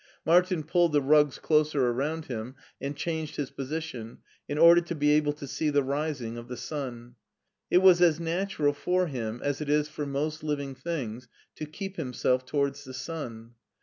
Martin pulled the rugs closer around him and changed his posi tion, in order to be able to see the rising of the sun. It was as natural for him as it is for most living things to keep himself towards the sun.